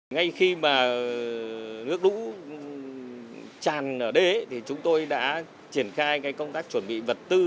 ngay khi mà nước đũ tràn ở đế chúng tôi đã triển khai công tác chuẩn bị vật tư